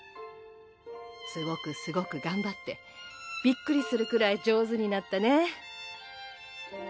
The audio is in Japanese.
すごくすごく頑張ってびっくりするくらい上手になったね。